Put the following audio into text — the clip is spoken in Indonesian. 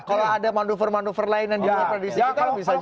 kalau ada manuver manuver lain yang diperlukan tradisi kita bisa jadi